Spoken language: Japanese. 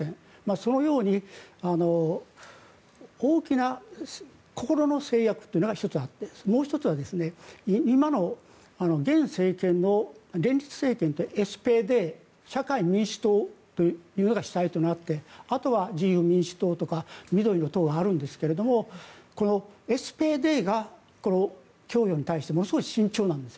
そのように大きな心の制約というのが１つあってもう１つは今の現政権のＳＰＤ・社会民主党というのが主体となってあとは自由民主党とか緑の党があるんですがこのＳＰＤが供与に対してものすごく慎重なんです。